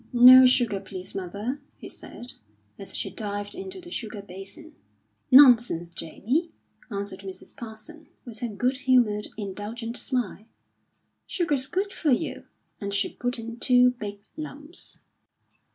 "No sugar, please, mother," he said, as she dived into the sugar basin. "Nonsense, Jamie," answered Mrs. Parsons, with her good humoured, indulgent smile. "Sugar's good for you." And she put in two big lumps.